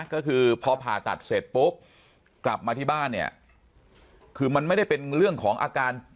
ก็คือพอผ่าตัดเสร็จปุ๊บกลับมาที่บ้านเนี่ยคือมันไม่ได้เป็นเรื่องของอาการ